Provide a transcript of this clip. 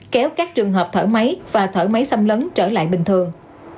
kéo các trường hợp thở máy và thở máy xâm lấn trở lại bình thường